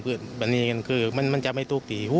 เพื่อนให้กันคือมันจะไม่ทูกที่หัว